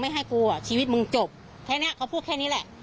ให้กูอ่ะชีวิตมึงจบแค่นี้เขาพูดแค่นี้แหละ